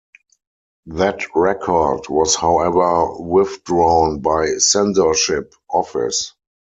That record was however withdrawn by censorship office.